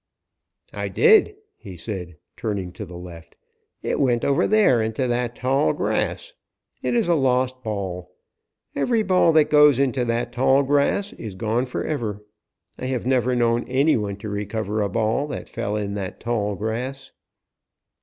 "I did," he said, turning to the left. "It went over there, into that tall grass. It is a lost ball. Every ball that goes into that tall grass is gone forever. I have never known any one to recover a ball that fell in that tall grass."